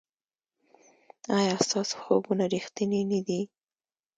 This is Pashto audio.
ایا ستاسو خوبونه ریښتیني نه دي؟